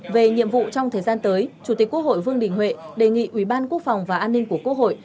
về nhiệm vụ trong thời gian tới chủ tịch quốc hội vương đình huệ đề nghị ủy ban quốc phòng và an ninh của quốc hội